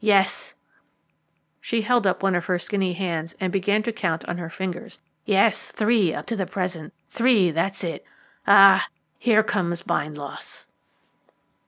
Yes" she held up one of her skinny hands and began to count on her fingers "yes, three up to the present; three, that's it. Ah, here comes Bindloss."